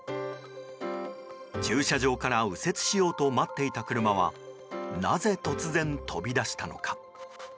駐車場から右折しようと待っていた車はなぜ突然、飛び出したのか？